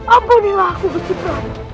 ampunilah aku bukti pramuk